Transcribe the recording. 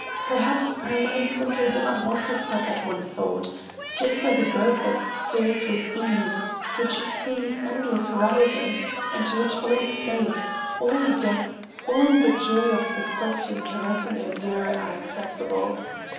Perhaps her mind simply did not want to stop at one thought—just as a bird that soars with ease, which sees endless horizons, and to which all space, all the depth, all the joy of the soft and caressing azure are accessible.